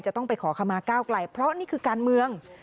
จะต้องไปขอคำมาก้าวไกลเพราะนี่คือการเมือง